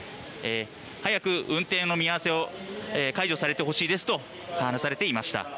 早く運転の見合わせを解除されてほしいですと話されていました。